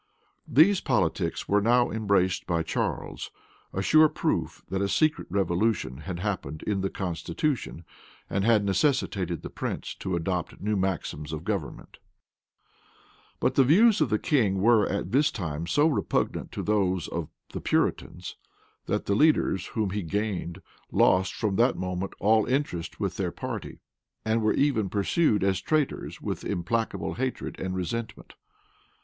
These politics were now embraced by Charles; a sure proof that a secret revolution had happened in the constitution, and had necessitated the prince to adopt new maxims of government.[] * May, p 21. Sir Edw. Walker, p. 328. But the views of the king were at this time so repugnant to those of the Puritans, that the leaders whom he gained, lost from that moment all interest with their party, and were even pursued as traitors with implacable hatred and resentment.